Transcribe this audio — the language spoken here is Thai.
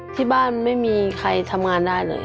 ที่บ้านไม่มีใครทำงานได้เลย